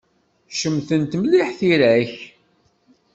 Cemtent mliḥ tira-k.